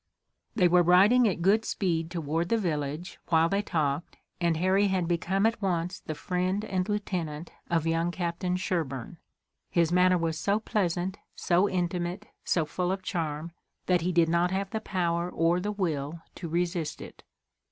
They were riding at good speed toward the village, while they talked, and Harry had become at once the friend and lieutenant of young Captain Sherburne. His manner was so pleasant, so intimate, so full of charm, that he did not have the power or the will to resist it.